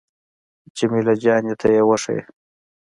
جمیله جانې ته يې وښيه.